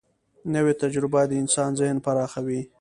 نوې تجربه د انسان ذهن پراخوي